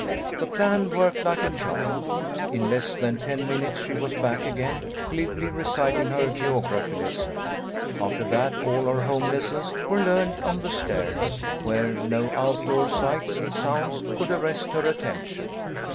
The plan worked like a charm. In less than ten minutes she was back again, glibly reciting her geog raphy lesson. After that all her home lessons were learned on the stairs, where no out door sights and sounds could arrest her attention.